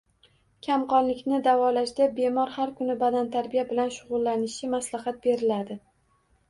Kamqonlikni davolashda bemor har kuni badantarbiya bilan shug‘ullanishi maslahat beriladi.